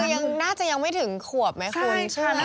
คุณน่าจะยังไม่ถึงขวบไหมครับ